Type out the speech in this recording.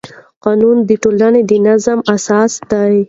قانون د ټولنې د نظم اساس دی.